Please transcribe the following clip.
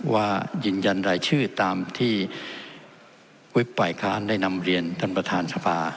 ว่ายืนยันรายชื่อตามที่วิบฝ่ายค้านได้นำเรียนท่านประธานสภา